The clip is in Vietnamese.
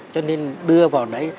cho nên đưa vào đấy